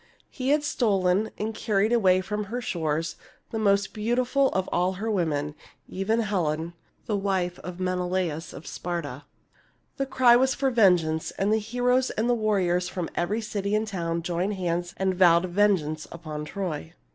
He had stolen and carried away from her shores the most beautiful of all her women, even Helen, the wife of Menelaus of Sparta. The cry was for vengeance ; and heroes and warriors from every city and town joined hands and vowed vengeance upon Troy.